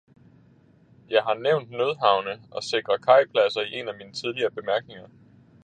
Jeg har nævnt nødhavne og sikre kajpladser i en af mine tidligere betænkninger.